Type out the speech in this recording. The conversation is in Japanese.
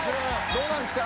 どうなんですか？